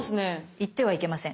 行ってはいけません。